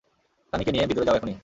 তানিকে নিয়ে ভিতরে যাও এখনই।